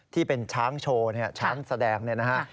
ที่เป็นช้างโชว์ช้างแสดงนะฮะ